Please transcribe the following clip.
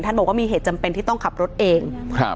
บอกว่ามีเหตุจำเป็นที่ต้องขับรถเองครับ